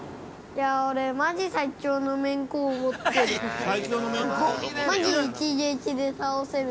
◆俺、マジ最強のめんこを持ってる。